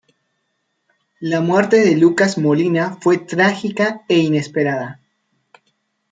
La muerte de Lucas Molina fue trágica e inesperada.